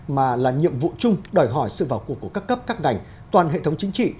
mà là nhiệm vụ chung đòi hỏi sự vào cuộc của các cấp các ngành toàn hệ thống chính trị